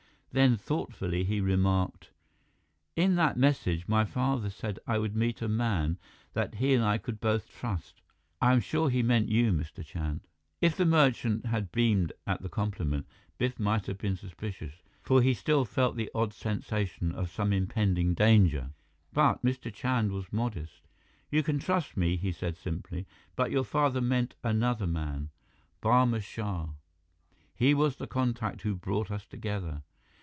Then, thoughtfully, he remarked: "In that message, my father said I would meet a man that he and I could both trust. I am sure he meant you, Mr. Chand." If the merchant had beamed at the compliment, Biff might have been suspicious, for he still felt the odd sensation of some impending danger. But Mr. Chand was modest. "You can trust me," he said simply, "but your father meant another man, Barma Shah. He was the contact who brought us together.